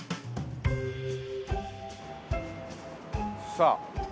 さあ。